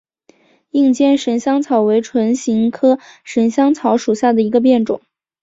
硬尖神香草为唇形科神香草属下的一个变种。